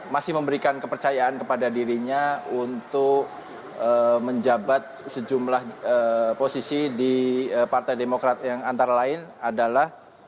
masih memberikan kepercayaan kepada dirinya untuk menjabat sejumlah posisi di partai demokrat yang antara lain adalah